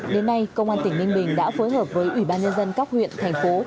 đến nay công an tỉnh ninh bình đã phối hợp với ubnd các huyện thành phố